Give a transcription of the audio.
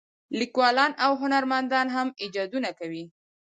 لیکوالان او هنرمندان هم ایجادونه کوي.